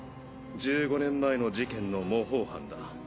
１５年前の事件の模倣犯だ。